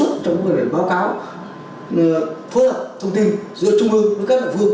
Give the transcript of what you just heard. chúng tôi đã xây dựng kế hoạch báo cáo các đảng phương